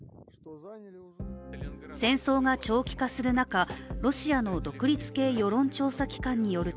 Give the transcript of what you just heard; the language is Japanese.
戦争が長期化する中、ロシアの独立系世論調査機関によると